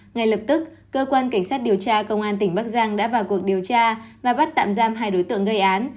ngay lập tức cơ quan cảnh sát điều tra công an tỉnh bắc giang đã vào cuộc điều tra và bắt tạm giam hai đối tượng gây án